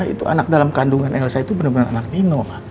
itu anak dalam kandungan elsa itu benar benar anak nino